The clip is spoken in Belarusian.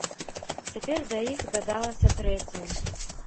Цяпер да іх дадалася трэцяя.